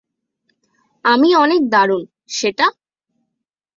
আমি অনেক দারুণ, সেটা?